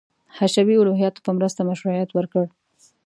حشوي الهیاتو په مرسته مشروعیت ورکړ.